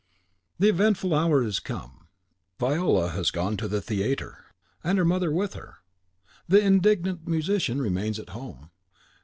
The eventful hour is come. Viola is gone to the theatre, her mother with her. The indignant musician remains at home.